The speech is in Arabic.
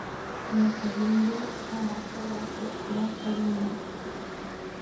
يا خليلي ساعة لا تريما